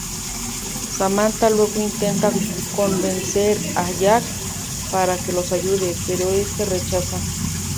Samantha luego intenta convencer a Jack para que los ayude, pero este rechaza.